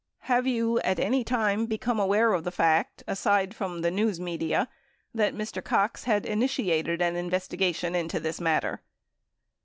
Have you, at any time, become aware of the fact, aside from the news media, that Mr. Cox had initiated an in vestigation into this matter